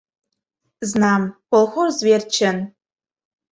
Знам, колхоз верчын...